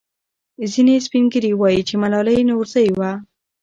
ځینې سپین ږیري وایي چې ملالۍ نورزۍ وه.